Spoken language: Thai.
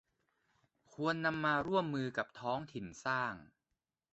ควรนำมาร่วมมือกับท้องถิ่นสร้าง